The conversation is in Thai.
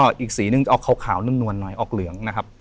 สีอีกนึงเอาขาวนุ้นนวลน้อยออกเหลืองนะครับ